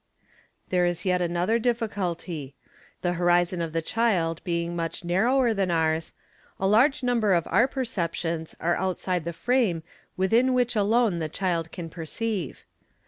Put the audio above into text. There is yet another difficulty ; the horizon of the child being mel narrower than ours, a large number of our perceptions are outside the frame within which alone the child can perceive.